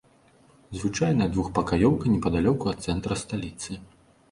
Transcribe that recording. Звычайная двухпакаёўка непадалёку ад цэнтра сталіцы.